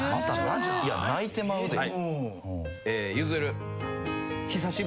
いや泣いてまうで。